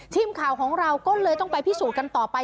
ทีมข่าวของเราก็เลยต้องไปพิสูจน์กันต่อไป